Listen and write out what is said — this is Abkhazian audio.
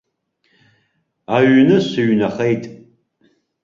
Аҩны сыҩнахеит!